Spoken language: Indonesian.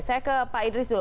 saya ke pak idris dulu